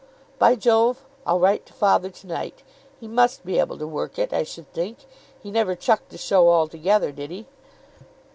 "By Jove, I'll write to father to night. He must be able to work it, I should think. He never chucked the show altogether, did he?"